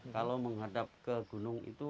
kalau menghadap ke gunung itu